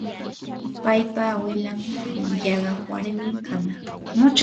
paypa awilan yaqa warmi kanaq.